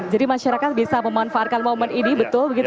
jadi masyarakat bisa memanfaatkan momen ini betul